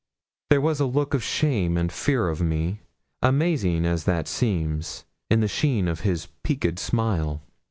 There was a look of shame and fear of me, amazing as that seems, in the sheen of his peaked smile.